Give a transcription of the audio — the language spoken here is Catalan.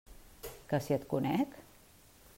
Que si et conec!